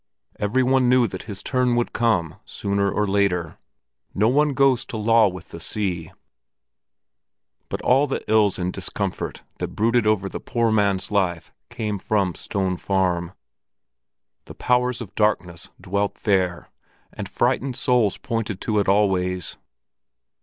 Every one knew that his turn would come sooner or later. No one goes to law with the sea; but all the ills and discomfort that brooded over the poor man's life came from Stone Farm. The powers of darkness dwelt there, and frightened souls pointed to it always.